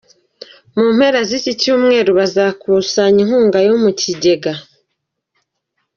U Mu mpera z’icyumweru bazakuzanya inkunga yo mu kigega